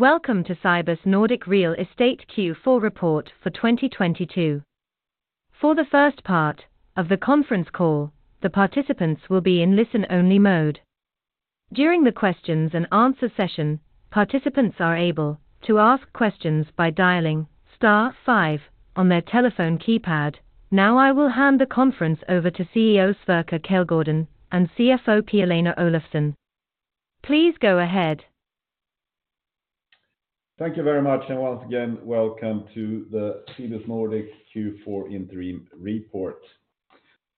Welcome to Cibus Nordic Real Estate Q4 report for 2022. For the first part of the conference call, the participants will be in listen-only mode. During the questions and answer session, participants are able to ask questions by dialing star five on their telephone keypad. Now I will hand the conference over to CEO Sverker Källgården and CFO Pia-Lena Olofsson. Please go ahead. Thank you very much. Once again, welcome to the Cibus Nordic Q4 interim report.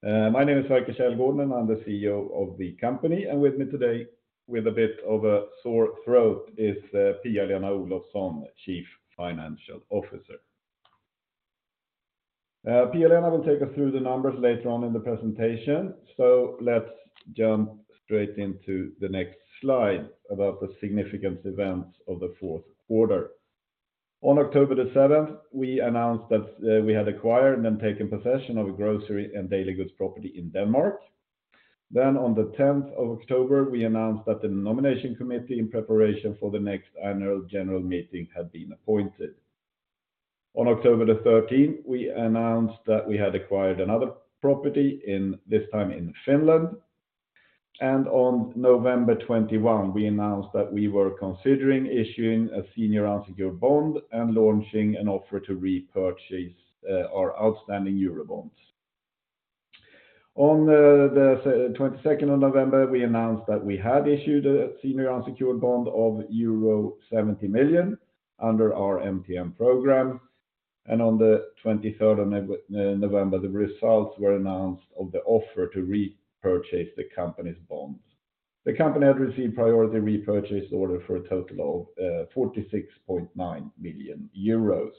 My name is Sverker Källgården. I'm the CEO of the company. With me today, with a bit of a sore throat, is Pia-Lena Olofsson, Chief Financial Officer. Pia-Lena will take us through the numbers later on in the presentation. Let's jump straight into the next slide about the significant events of the fourth quarter. On October 7th, we announced that we had acquired and then taken possession of a grocery and daily goods property in Denmark. On October 10th, we announced that the nomination committee in preparation for the next annual general meeting had been appointed. On October 13th, we announced that we had acquired another property in this time in Finland. On November 21st, we announced that we were considering issuing a senior unsecured bond and launching an offer to repurchase our outstanding Eurobonds. On the 22nd of November, we announced that we had issued a senior unsecured bond of euro 70 million under our MTN programme. On the 23rd of November, the results were announced of the offer to repurchase the company's bonds. The company had received priority repurchase order for a total of 46.9 million euros.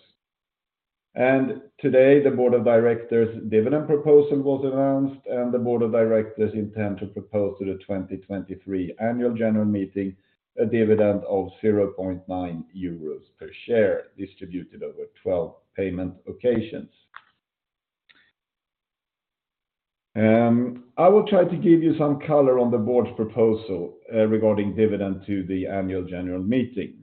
Today, the board of directors dividend proposal was announced, and the board of directors intend to propose to the 2023 Annual General Meeting a dividend of 0.9 euros per share, distributed over 12 payment occasions. I will try to give you some color on the board's proposal regarding dividend to the annual general meeting.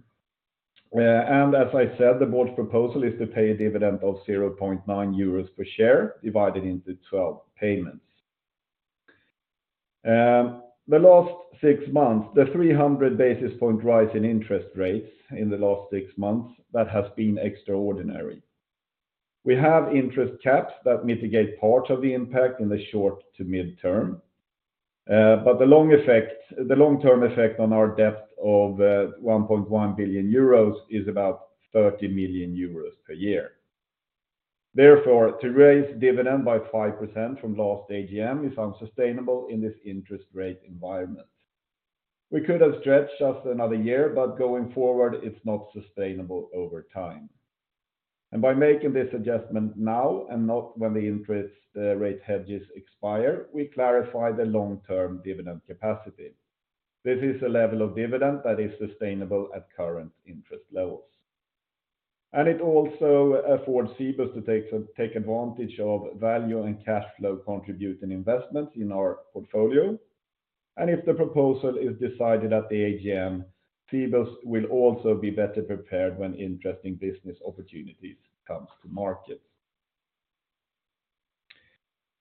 As I said, the board's proposal is to pay a dividend of 0.9 euros per share, divided into 12 payments. The last six months, the 300 basis point rise in interest rates in the last six months, that has been extraordinary. We have interest caps that mitigate part of the impact in the short to mid-term, but the long-term effect on our debt of 1.1 billion euros is about 30 million euros per year. Therefore, to raise dividend by 5% from last AGM is unsustainable in this interest rate environment. We could have stretched just another year, but going forward, it's not sustainable over time. By making this adjustment now and not when the interest rate hedges expire, we clarify the long-term dividend capacity. This is a level of dividend that is sustainable at current interest levels. It also affords Cibus to take advantage of value and cash flow contributing investments in our portfolio. If the proposal is decided at the AGM, Cibus will also be better prepared when interesting business opportunities comes to market.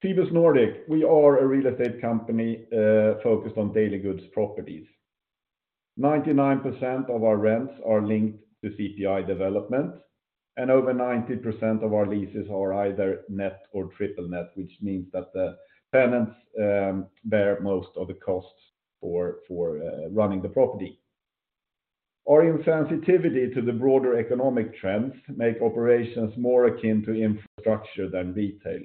Cibus Nordic, we are a real estate company, focused on daily goods properties. 99% of our rents are linked to CPI development, and over 90% of our leases are either net or triple net, which means that the tenants bear most of the costs for running the property. Our insensitivity to the broader economic trends make operations more akin to infrastructure than retail.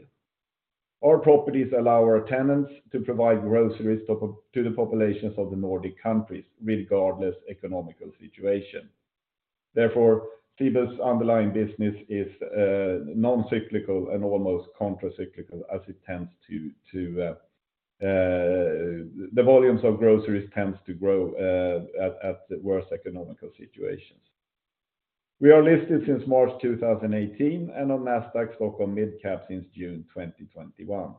Our properties allow our tenants to provide groceries to the populations of the Nordic countries regardless economic situation. Cibus' underlying business is non-cyclical and almost contracyclical as it tends to. The volumes of groceries tends to grow at the worst economical situations. We are listed since March 2018 and on Nasdaq Stockholm Mid Cap since June 2021.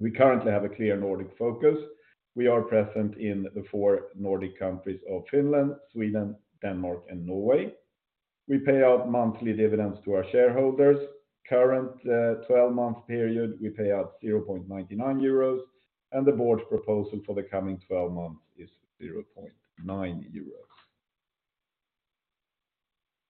We currently have a clear Nordic focus. We are present in the four Nordic countries of Finland, Sweden, Denmark, and Norway. We pay out monthly dividends to our shareholders. Current 12-month period, we pay out 0.99 euros, and the board's proposal for the coming 12 months is 0.90 euros.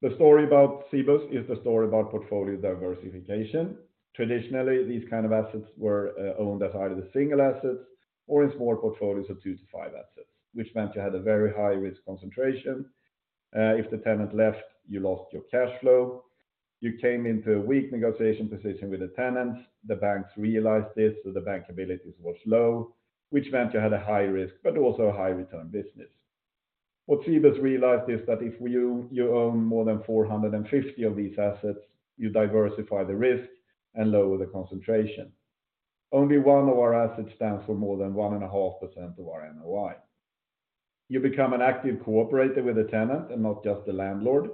The story about Cibus is the story about portfolio diversification. Traditionally, these kind of assets were owned as either the single assets or in small portfolios of two to five assets, which meant you had a very high risk concentration. If the tenant left, you lost your cash flow. You came into a weak negotiation position with the tenants. The banks realized this, so the bank abilities was low, which meant you had a high risk, but also a high return business. What Cibus realized is that if you own more than 450 of these assets, you diversify the risk and lower the concentration. Only one of our assets stands for more than 1.5% of our NOI. You become an active cooperator with the tenant and not just the landlord.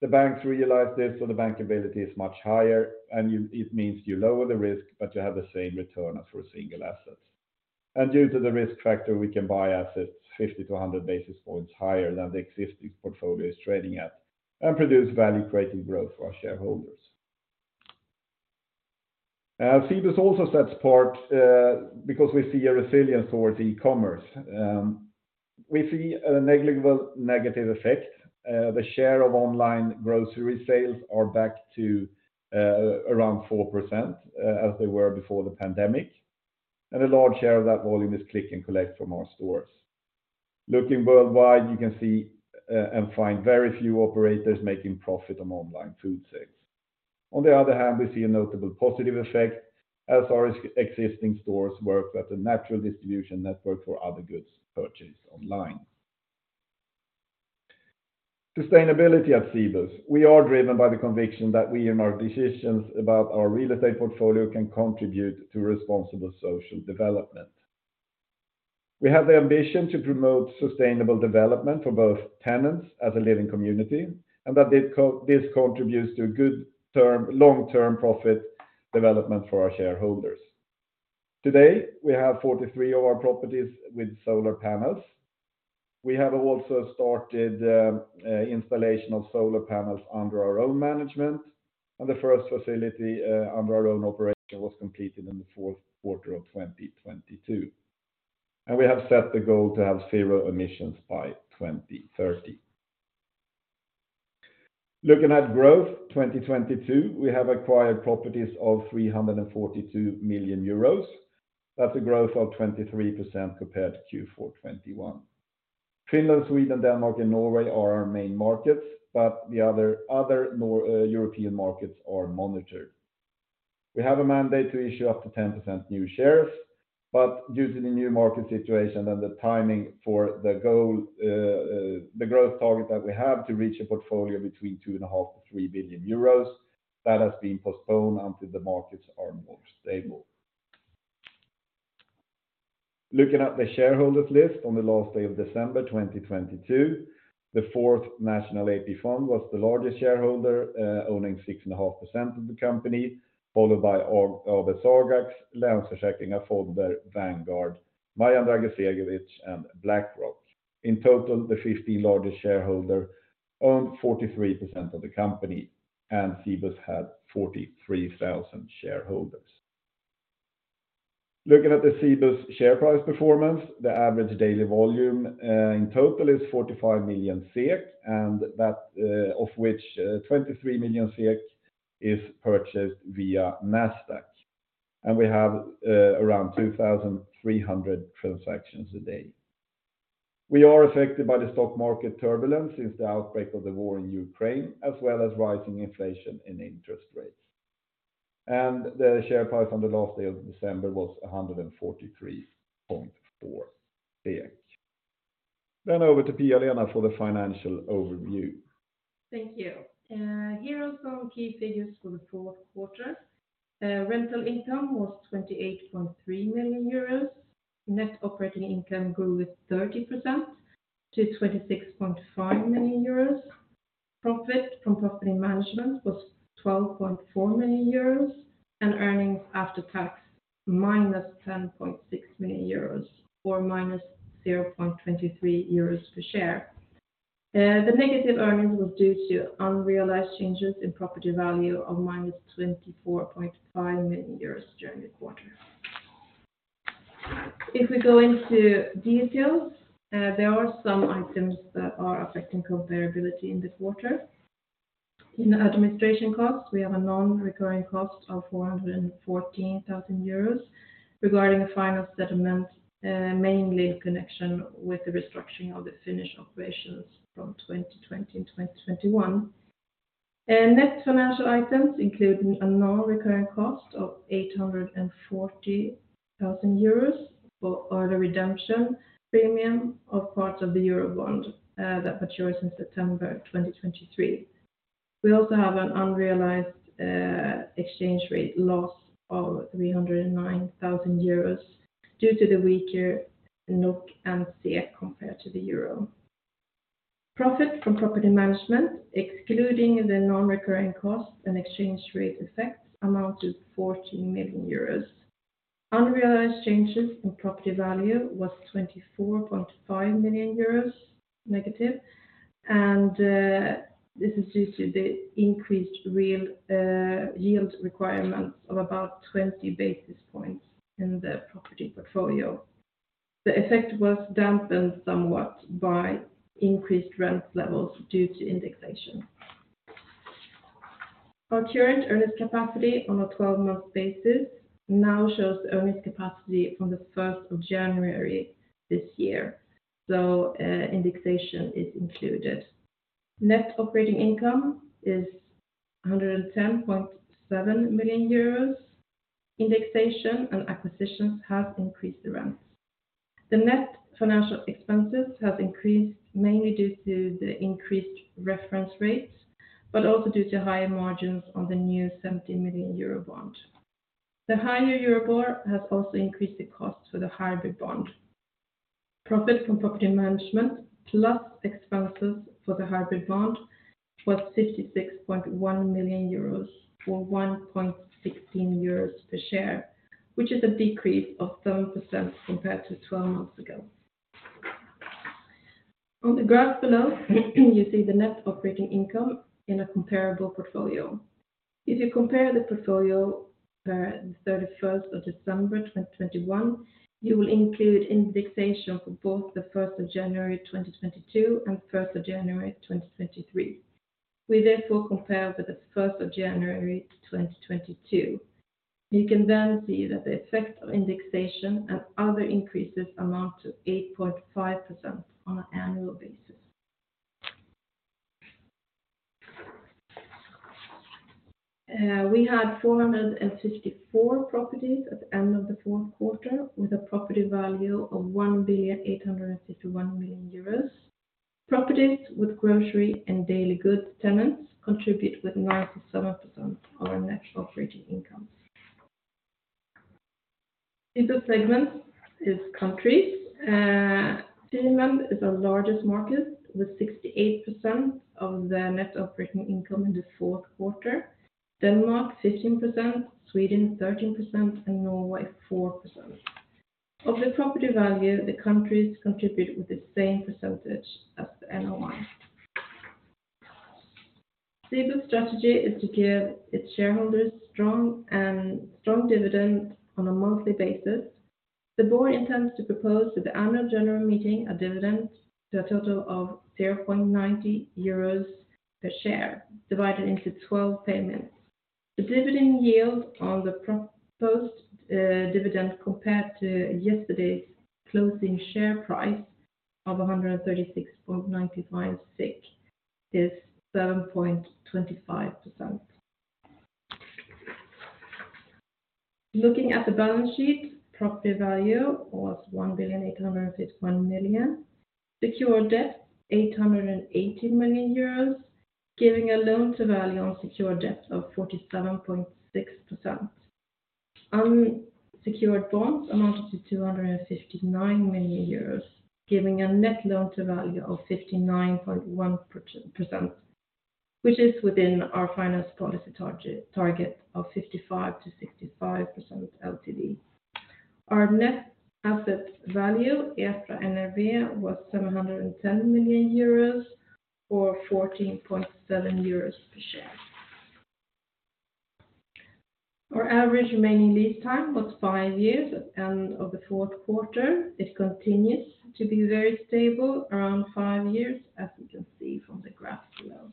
The banks realize this, so the bankability is much higher, and it means you lower the risk, but you have the same return as for single assets. Due to the risk factor, we can buy assets 50 basis points-100 basis points higher than the existing portfolio is trading at and produce value-creating growth for our shareholders. Cibus also sets apart because we see a resilience towards e-commerce. We see a negligible negative effect. The share of online grocery sales are back to around 4% as they were before the pandemic, and a large share of that volume is Click and Collect from our stores. Looking worldwide, you can see and find very few operators making profit on online food sales. On the other hand, we see a notable positive effect as our existing stores work at a natural distribution network for other goods purchased online. Sustainability at Cibus. We are driven by the conviction that we, in our decisions about our real estate portfolio, can contribute to responsible social development. We have the ambition to promote sustainable development for both tenants as a living community, and that this contributes to good long-term profit development for our shareholders. Today, we have 43 of our properties with solar panels. We have also started installation of solar panels under our own management, and the first facility under our own operation was completed in the fourth quarter of 2022. We have set the goal to have zero emissions by 2030. Looking at growth, 2022, we have acquired properties of 342 million euros. That's a growth of 23% compared to Q4 2021. Finland, Sweden, Denmark, and Norway are our main markets, but the other European markets are monitored. We have a mandate to issue up to 10% new shares. Due to the new market situation and the timing for the goal, the growth target that we have to reach a portfolio between 2.5 billion-3 billion euros, that has been postponed until the markets are more stable. Looking at the shareholders list on the last day of December 2022, the Fourth National AP Fund was the largest shareholder, owning 6.5% of the company, followed by AB Sagax, Länsförsäkringar Fonder, Vanguard, Marjan Dragicevic, and BlackRock. In total, the 50 largest shareholder owned 43% of the company, and Cibus had 43,000 shareholders. Looking at the Cibus share price performance, the average daily volume, in total is 45 million SEK, and that, of which 23 million SEK is purchased via Nasdaq. We have around 2,300 transactions a day. We are affected by the stock market turbulence since the outbreak of the war in Ukraine, as well as rising inflation and interest rates. The share price on the last day of December was 143.4 SEK. Over to Pia-Lena for the financial overview. Thank you. Here are some key figures for the fourth quarter. Rental income was 28.3 million euros. Net operating income grew with 30% to 26.5 million euros. Profit from property management was 12.4 million euros, earnings after tax minus 10.6 million euros, or minus 0.23 euros per share. The negative earnings was due to unrealized changes in property value of minus 24.5 million euros during the quarter. If we go into details, there are some items that are affecting comparability in this quarter. In administration costs, we have a non-recurring cost of 414,000 euros regarding the final settlement, mainly in connection with the restructuring of the Finnish operations from 2020 to 2021. Net financial items including a non-recurring cost of 840 thousand euros for early redemption premium of parts of the Eurobond that matures in September 2023. We also have an unrealized exchange rate loss of 309 thousand euros due to the weaker NOK and SEK compared to the euro. Profit from property management, excluding the non-recurring costs and exchange rate effects, amounted 14 million euros. Unrealized changes in property value was 24.5 million euros negative. This is due to the increased real yield requirements of about 20 basis points in the property portfolio. The effect was dampened somewhat by increased rent levels due to indexation. Our current earnings capacity on a 12-month basis now shows earnings capacity from the 1st of January this year. Indexation is included. Net operating income is 110.7 million euros. Indexation and acquisitions have increased the rents. The net financial expenses have increased mainly due to the increased reference rates, but also due to higher margins on the new 70 million euro bond. The higher Euribor has also increased the cost for the hybrid bond. Profit from property management+ expenses for the hybrid bond was 66.1 million euros or 1.16 euros per share, which is a decrease of 7% compared to 12 months ago. On the graph below, you see the Net operating income in a comparable portfolio. If you compare the portfolio, December 31st 2021, you will include indexation for both the 1st of January 2022 and January 1st 2023. We therefore compare with the January 1st 2022. You can see that the effect of indexation and other increases amount to 8.5% on an annual basis. We had 454 properties at the end of the fourth quarter with a property value of 1,851 million euros. Properties with grocery and daily goods tenants contribute with 97% of our Net operating income. Into segments is countries. Finland is our largest market with 68% of the Net operating income in the fourth quarter. Denmark 15%, Sweden 13%, and Norway 4%. Of the property value, the countries contribute with the same percentage as the NOI. Cibus strategy is to give its shareholders strong dividend on a monthly basis. The board intends to propose to the annual general meeting a dividend to a total of 0.90 euros per share, divided into 12 payments. The dividend yield on the pro-post dividend compared to yesterday's closing share price of 136.95 SEK is 7.25%. Looking at the balance sheet, property value was 1,851 million. Secured debt, 818 million euros, giving a Loan-to-value on secure debt of 47.6%. Unsecured bonds amounted to 259 million euros, giving a net Loan-to-value of 59.1%, which is within our finance policy target of 55%-65% LTV. Our net asset value after NRV was 710 million euros or 14.7 euros per share. Our average remaining lease time was five years at end of the fourth quarter. It continues to be very stable around five years, as you can see from the graph below.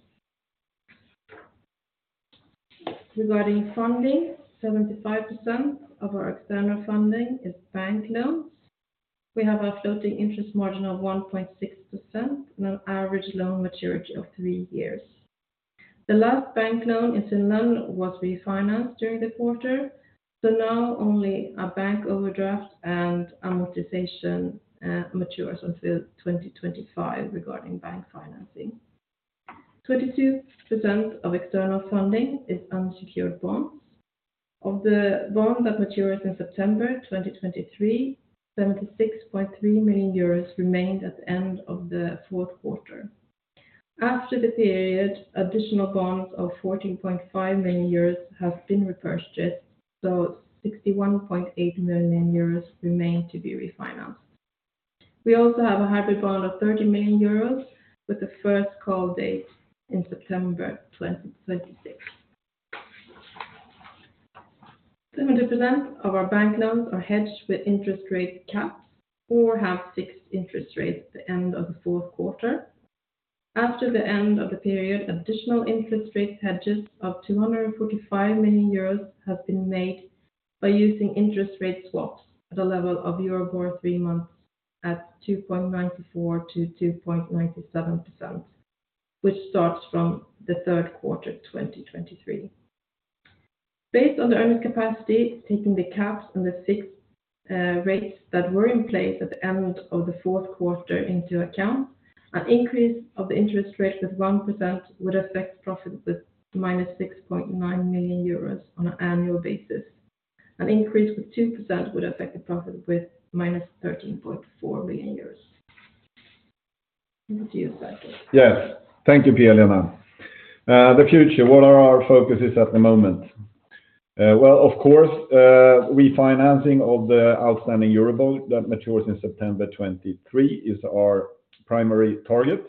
Regarding funding, 75% of our external funding is bank loans. We have a floating interest margin of 1.6% and an average loan maturity of three years. The last bank loan in Finland was refinanced during the quarter, so now only a bank overdraft and amortization matures until 2025 regarding bank financing. 22% of external funding is unsecured bonds. Of the bond that matures in September 2023, 76.3 million euros remained at the end of the fourth quarter. After the period, additional bonds of 14.5 million euros have been repurchased, so 61.8 million euros remain to be refinanced. We also have a hybrid bond of 30 million euros with the first call date in September 2026. 70% of our bank loans are hedged with interest rate caps or have fixed interest rates at the end of the fourth quarter. After the end of the period, additional interest rate hedges of 245 million euros have been made by using interest rate swaps at a level of Euribor three months at 2.94%-2.97%, which starts from the third quarter 2023. Based on the earnings capacity, taking the caps and the fixed rates that were in place at the end of the fourth quarter into account, an increase of the interest rate with 1% would affect profit with minus 6.9 million euros on an annual basis. An increase with 2% would affect the profit with minus 13.4 million euros. Over to you, Fredrik. Yes. Thank you, Pia-Lena. The future, what are our focuses at the moment? Well, of course, refinancing of the outstanding Eurobond that matures in September 2023 is our primary target.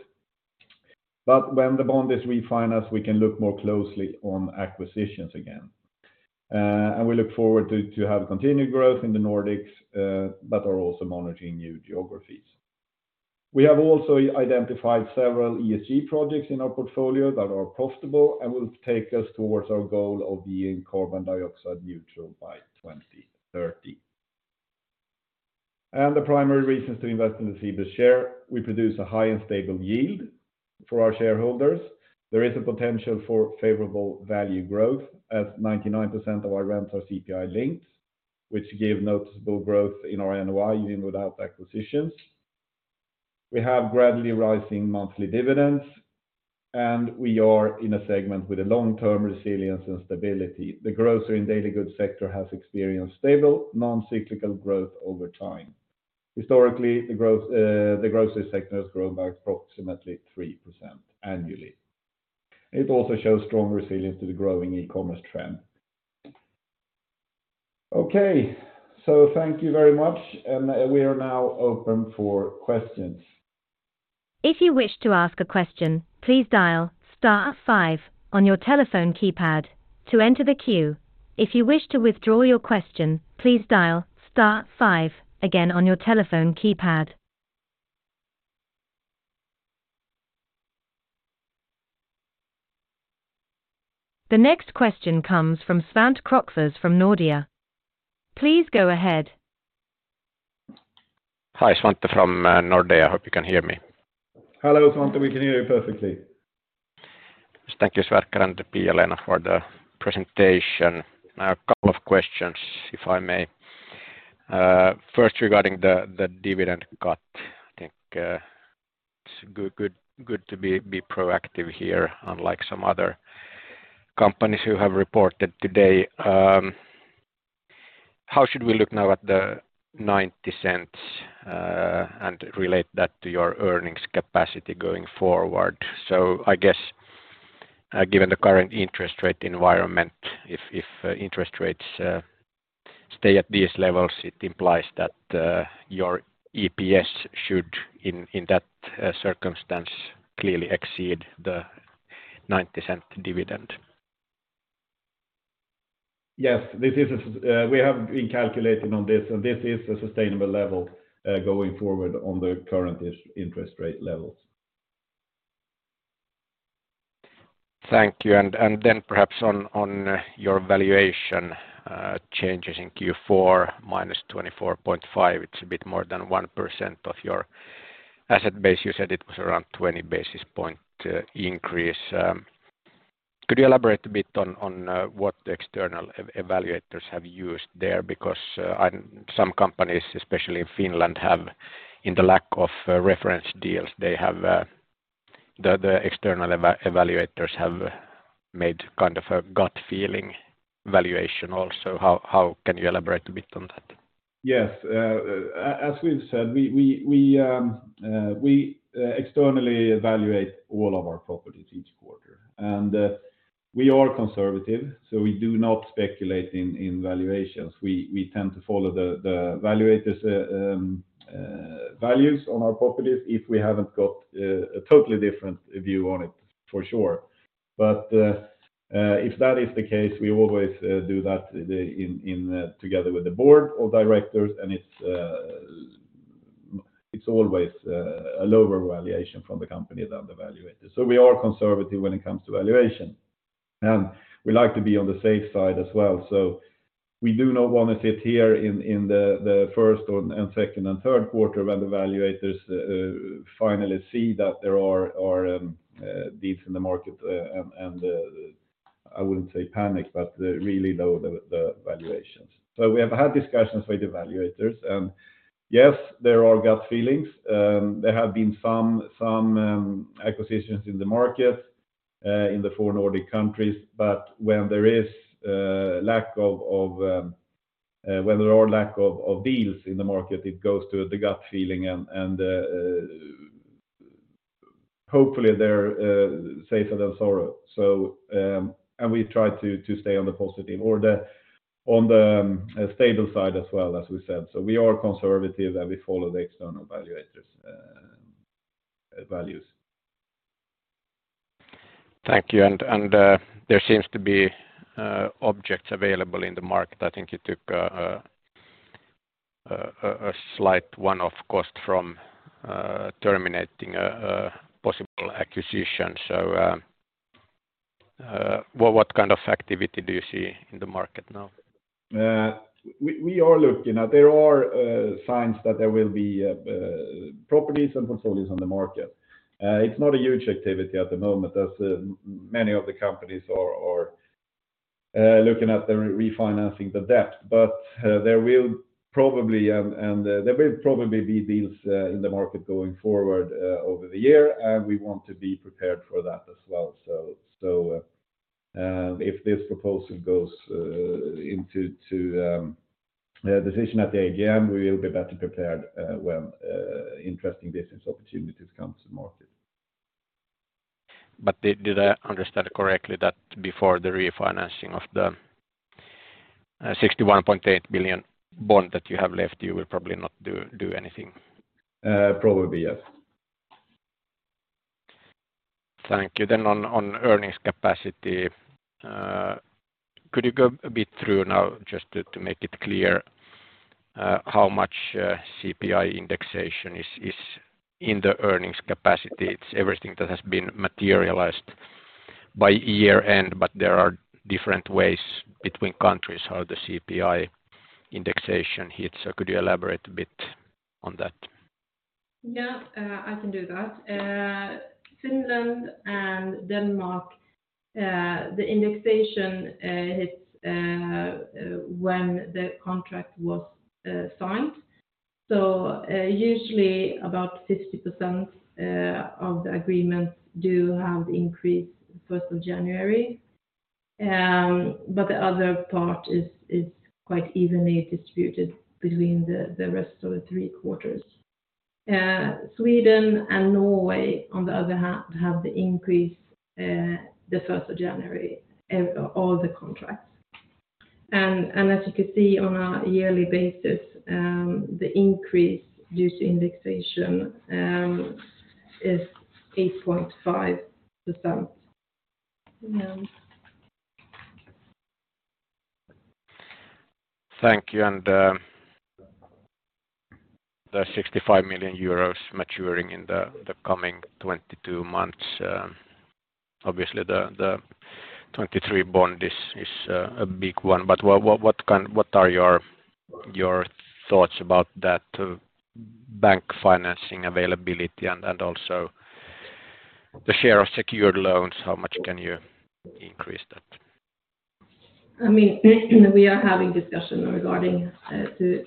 When the bond is refinanced, we can look more closely on acquisitions again. We look forward to have continued growth in the Nordics, but are also monitoring new geographies. We have also identified several ESG projects in our portfolio that are profitable and will take us towards our goal of being carbon dioxide neutral by 2030. The primary reasons to invest in the Cibus share, we produce a high and stable yield for our shareholders. There is a potential for favorable value growth as 99% of our rents are CPI linked, which gave noticeable growth in our NOI even without acquisitions. We have gradually rising monthly dividends, and we are in a segment with a long-term resilience and stability. The grocery and daily goods sector has experienced stable non-cyclical growth over time. Historically, the grocery sector has grown by approximately 3% annually. It also shows strong resilience to the growing e-commerce trend. Okay. Thank you very much, and we are now open for questions. If you wish to ask a question, please dial star five on your telephone keypad to enter the queue. If you wish to withdraw your question, please dial star five again on your telephone keypad. The next question comes from Svante Krokfors from Nordea. Please go ahead. Hi, Svante from Nordea. I hope you can hear me. Hello, Svante. We can hear you perfectly. Thank you, Sverker and Pia-Lena for the presentation. I have a couple of questions, if I may. First regarding the dividend cut. I think it's good to be proactive here, unlike some other companies who have reported today. How should we look now at the 0.90 and relate that to your earnings capacity going forward? So I guess, given the current interest rate environment, if interest rates stay at these levels, it implies that your EPS should, in that circumstance, clearly exceed the 0.90 dividend. Yes. This is, we have been calculating on this, and this is a sustainable level, going forward on the current interest rate levels. Thank you. Perhaps on your valuation changes in Q4 -24.5. It's a bit more than 1% of your asset base. You said it was around 20 basis point increase. Could you elaborate a bit on what the external evaluators have used there? Because, and some companies, especially in Finland, have in the lack of reference deals they have the external evaluators have made kind of a gut feeling valuation also. How... Can you elaborate a bit on that? Yes. As we've said, we externally evaluate all of our properties each quarter. We are conservative, so we do not speculate in valuations. We tend to follow the evaluators' values on our properties if we haven't got a totally different view on it, for sure. If that is the case, we always do that together with the board of directors, and it's always a lower valuation from the company than the evaluator. We are conservative when it comes to valuation, and we like to be on the safe side as well. We do not wanna sit here in the first and second and third quarter when the evaluators finally see that there are deals in the market and I wouldn't say panic, but they really low the valuations. We have had discussions with evaluators, and yes, there are gut feelings. There have been some acquisitions in the market in the four Nordic countries. When there are lack of deals in the market, it goes to the gut feeling and hopefully they're safer than sorrow. We try to stay on the positive or on the stable side as well, as we said. We are conservative, and we follow the external evaluators' values. Thank you. There seems to be objects available in the market. I think you took a slight one-off cost from terminating a possible acquisition. What kind of activity do you see in the market now? We are looking. There are signs that there will be properties and portfolios on the market. It's not a huge activity at the moment as many of the companies are looking at re-refinancing the debt. There will probably, and there will probably be deals in the market going forward over the year, and we want to be prepared for that as well. If this proposal goes into decision at the AGM, we will be better prepared when interesting business opportunities comes to market. Did I understand correctly that before the refinancing of the 61.8 million bond that you have left, you will probably not do anything? Probably, yes. Thank you. On earnings capacity, could you go a bit through now just to make it clear, how much CPI indexation is in the earnings capacity? It's everything that has been materialized by year-end, there are different ways between countries how the CPI indexation hits. Could you elaborate a bit on that? Yeah. I can do that. Finland and Denmark, the indexation hits when the contract was signed. Usually about 50% of the agreements do have increase January 1st. The other part is quite evenly distributed between the rest of the three quarters. Sweden and Norway, on the other hand, have the increase the 1st of January all the contracts. As you can see on a yearly basis, the increase due to indexation is 8.5%. Yeah. Thank you. The 65 million euros maturing in the coming 22 months, obviously the 2023 bond is a big one. What are your thoughts about that bank financing availability and also the share of secured loans? How much can you increase that? I mean, we are having discussion regarding, to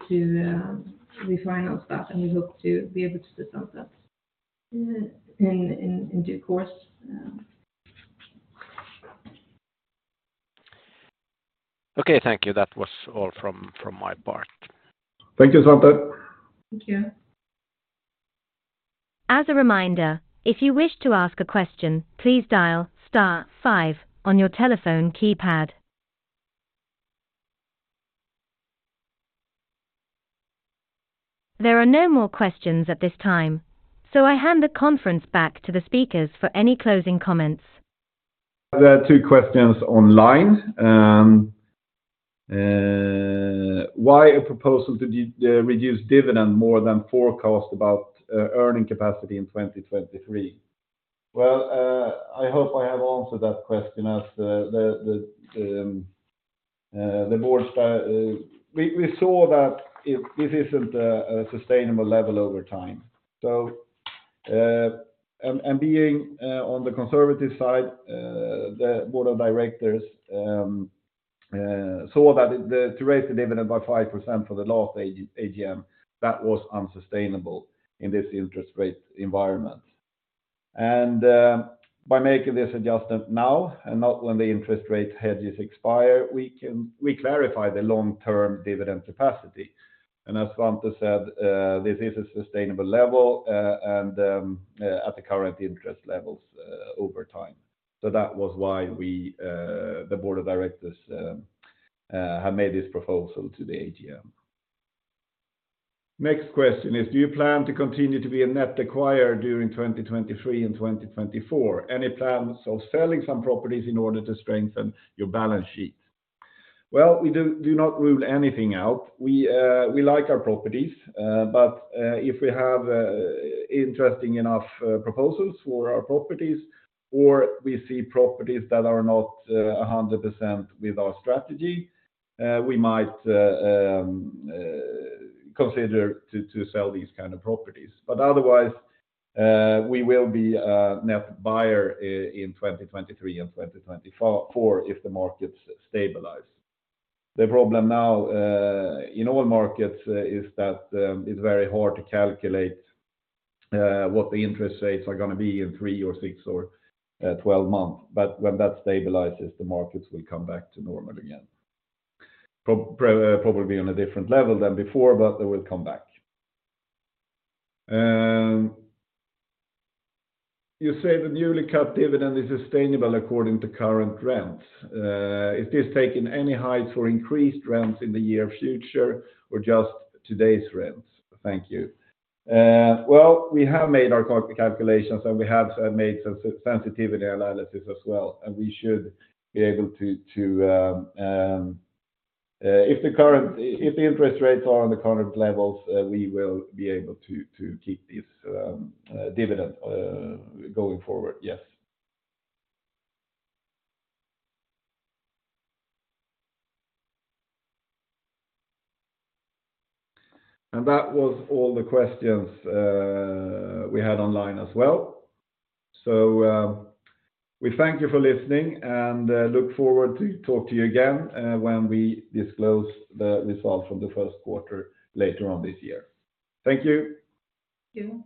refinalize that, and we hope to be able to do something in due course. Okay, thank you. That was all from my part. Thank you, Svante. Thank you. As a reminder, if you wish to ask a question, please dial star five on your telephone keypad. There are no more questions at this time, so I hand the conference back to the speakers for any closing comments. There are two questions online. Why a proposal to reduce dividend more than forecast about earning capacity in 2023? Well, I hope I have answered that question as the board saw that it isn't a sustainable level over time. And being on the conservative side, the board of directors saw that to raise the dividend by 5% for the last AGM, that was unsustainable in this interest rate environment. By making this adjustment now and not when the interest rate hedges expire, we clarify the long-term dividend capacity. As Svante said, this is a sustainable level and at the current interest levels over time. That was why we, the board of directors, have made this proposal to the AGM. Next question is, do you plan to continue to be a net acquirer during 2023 and 2024? Any plans of selling some properties in order to strengthen your balance sheet? We do not rule anything out. We like our properties, but if we have interesting enough proposals for our properties or we see properties that are not 100% with our strategy, we might consider to sell these kind of properties. Otherwise, we will be a net buyer in 2023 and 2024 if the markets stabilize. The problem now in all markets is that it's very hard to calculate what the interest rates are gonna be in three months or six months or 12 months. When that stabilizes, the markets will come back to normal again. probably on a different level than before, but they will come back. You say the newly cut dividend is sustainable according to current rents. Is this taking any heights or increased rents in the year future or just today's rents? Thank you. Well, we have made our calculations, and we have made some sensitivity analysis as well, and we should be able to if the current, if the interest rates are on the current levels, we will be able to keep this dividend going forward. Yes. That was all the questions we had online as well. We thank you for listening and look forward to talk to you again when we disclose the results from the first quarter later on this year. Thank you. Thank you.